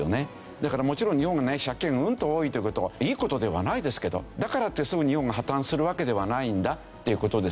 だからもちろん日本がね借金がうんと多いという事はいい事ではないですけどだからってすぐ日本が破綻するわけではないんだっていう事ですよね。